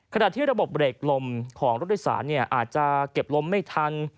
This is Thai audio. ขณะที่ระบบเบรกลมของรถโดยสารอาจจะเก็บลมไม่ทัน